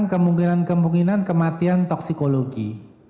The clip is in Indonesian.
kemungkinan kemungkinan kematian toxicology